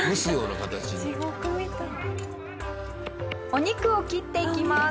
お肉を切っていきます。